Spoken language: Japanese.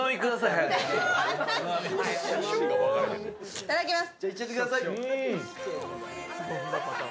いただきます。